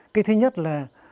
cái thứ nhất là